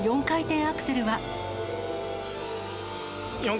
４回転アクセル。